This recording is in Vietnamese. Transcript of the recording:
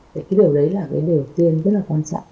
cái điều đấy là cái điều tiên rất là quan trọng